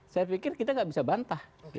saya pikir kita nggak bisa bantah